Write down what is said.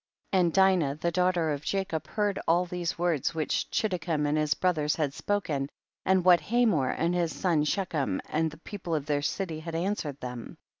19. And Dinah the daughter of Jacob heard all these words which Chiddekem and his brothers had spo ken, and what Hamor and his son Shechem and the people of their city had answered them.